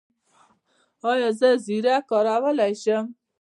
ایا زه زیره کارولی شم؟